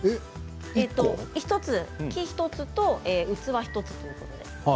木を１つと器１つということで。